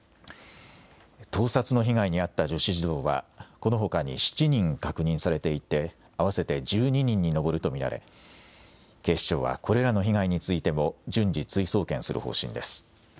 盗撮の被害に遭った女子児童は、このほかに７人確認されていて、合わせて１２人に上ると見られ、警視庁はこれらの被害についても順次、追送検する方針です。